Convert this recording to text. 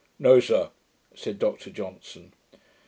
'No, sir,' said Dr Johnson.